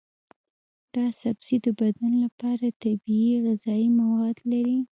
دا سبزی د بدن لپاره طبیعي غذایي مواد لري.